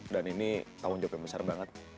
dan ini tahun jawab yang besar banget